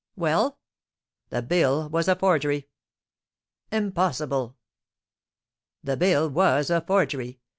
"Well?" "That bill was a forgery." "Impossible!" "That bill was a forgery!